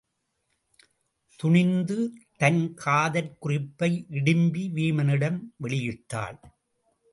துணிந்து தன் காதற் குறிப்பை இடிம்பி வீமனிடம் வெளியிட்டாள்.